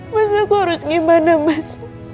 mas aku harus gimana mas